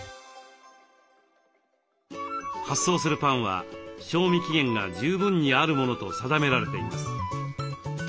発送するパンは賞味期限が十分にあるものと定められています。